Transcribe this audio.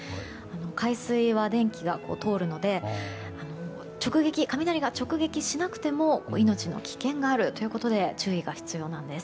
海水は電気が通るので雷が直撃しなくても命の危険があるということで注意が必要なんです。